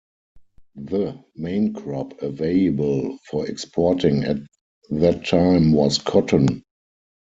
The main crop available for exporting at that time was cotton.